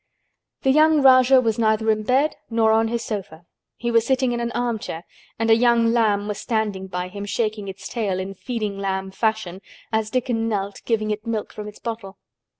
The young Rajah was neither in bed nor on his sofa. He was sitting in an armchair and a young lamb was standing by him shaking its tail in feeding lamb fashion as Dickon knelt giving it milk from its bottle.